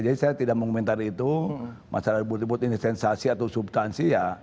jadi saya tidak mengomentari itu masalah ribut ribut ini sensasi atau substansi ya